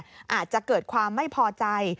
ผู้ที่กระทำผิดกฎหมายเนี่ยอาจจะเกิดความไม่พอใจ